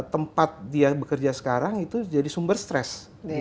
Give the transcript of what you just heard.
tempat dia bekerja sekarang itu jadi sumber stres